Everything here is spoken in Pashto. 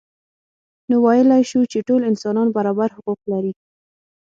نو ویلای شو چې ټول انسانان برابر حقوق لري.